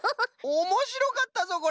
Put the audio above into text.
おもしろかったぞこれ。